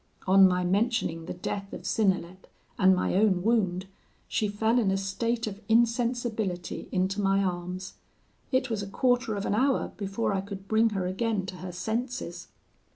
On my mentioning the death of Synnelet and my own wound, she fell in a state of insensibility into my arms. It was a quarter of an hour before I could bring her again to her senses.